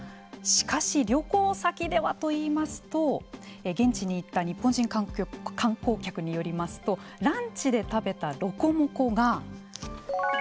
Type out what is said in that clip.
しかし旅行先ではといいますと現地に行った日本人観光客によりますとランチで食べたロコモコが２２００円。